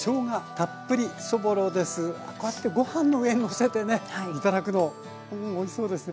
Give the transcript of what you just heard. こうやってご飯の上にのせてね頂くのうんおいしそうですね。